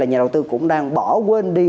nhà đầu tư cũng đang bỏ quên đi